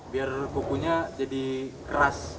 biar kukunya jadi keras